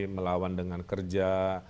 melawan dengan kerja